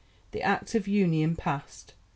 The Act of Union passed.